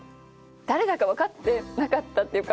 誰だか分かってなかったというか。